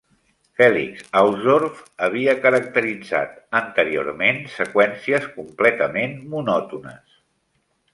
Felix Hausdorff havia caracteritzat anteriorment seqüències completament monòtones.